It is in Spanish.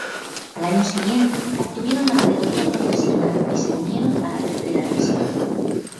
Al año siguiente obtuvieron la categoría profesional y se unieron a la tercera división.